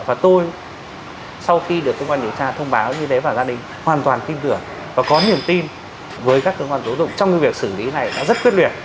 và tôi sau khi được cơ quan điều tra thông báo như thế và gia đình hoàn toàn tin tưởng và có niềm tin với các cơ quan tố dụng trong việc xử lý này đã rất quyết liệt